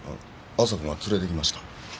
亜沙子が連れて行きました。